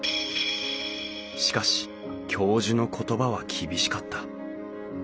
しかし教授の言葉は厳しかった。